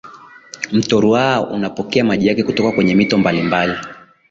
mto ruaha unapokea maji yake kutoka kwenye mito mbalimbali